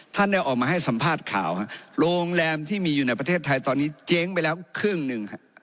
ท่านได้ออกมาให้สัมภาษณ์ข่าวโรงแรมที่มีอยู่ในประเทศไทยตอนนี้เจ๊งไปแล้วครึ่งหนึ่ง